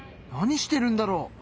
何してるんだろう？